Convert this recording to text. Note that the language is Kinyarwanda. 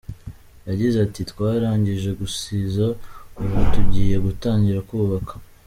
Yagize ati “Twarangije gusiza ubu tugiye gutangira kubaka.